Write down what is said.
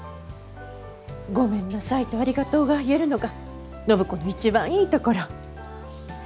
「ごめんなさい」と「ありがとう」が言えるのが暢子の一番いいところ。